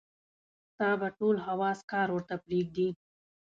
ستا به ټول حواص کار ورته پرېږدي.